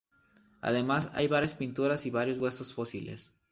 Además hay varias pinturas y varios huesos fósiles.